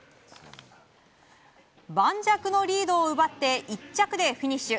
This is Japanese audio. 盤石のリードを奪って１着でフィニッシュ。